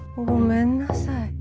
ごめんなさい。